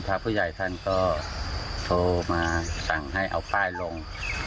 พระผู้ใหญ่ท่านก็โทรมาสั่งให้เอาป้ายลง